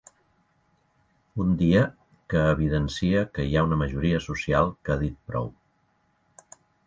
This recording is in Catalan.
Un dia que evidencia que hi ha una majoria social que ha dit prou.